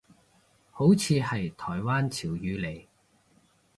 好似係台灣潮語嚟